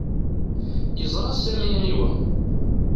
Yeẓra Sami aniwa.